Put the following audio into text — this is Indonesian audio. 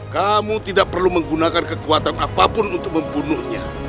kamu tidak perlu menggunakan kekuatan apapun untuk membunuhnya